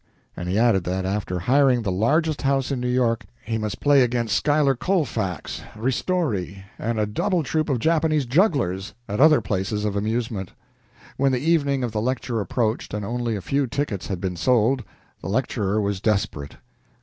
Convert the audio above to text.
And he added that, after hiring the largest house in New York, he must play against Schuyler Colfax, Ristori, and a double troupe of Japanese jugglers, at other places of amusement. When the evening of the lecture approached and only a few tickets had been sold, the lecturer was desperate.